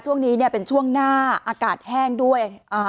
ช่วงนี้เป็นช่วงหน้าอากาศแห้งด้วย